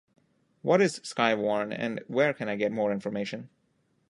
What is Skywarn and where can I get more information?